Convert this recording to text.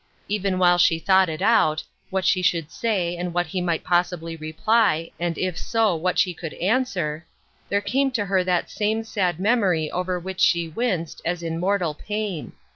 Even while she thought it out — what she would say, and what he might possibly reply, and if so, what she could answer — there came to her that same sad memory over which she winced, as in mortal pain.